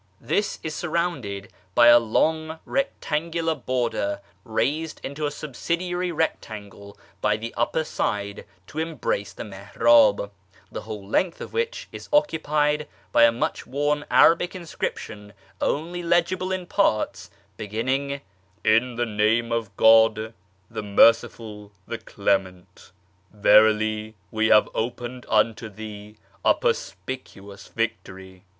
Tliis is snrrouiuliMl l)y a loiifr rcctan<fulai' border raised into a subsidiary rectan^L;b' on the u])i)er side to embrace the mihn'th, the \vliole length of which is occn])ied by a mucli worn Arabic inscription, only legible in jiarts, be ginning: "//( the Name of God Ihr Merciful, the Clement. Verily we have opened unto thee a perspieuous victory